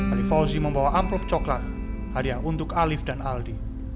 ali fauzi membawa amplop coklat hadiah untuk alif dan aldi